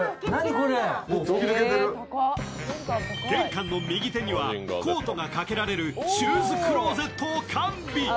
玄関の右手にはコートがかけられるシューズクローゼットを完備。